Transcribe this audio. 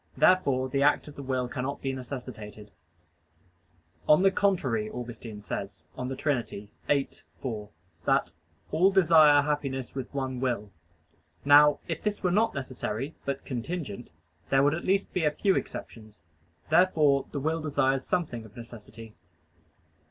Therefore the act of the will cannot be necessitated. On the contrary, Augustine says (De Trin. xiii, 4) that "all desire happiness with one will." Now if this were not necessary, but contingent, there would at least be a few exceptions. Therefore the will desires something of necessity.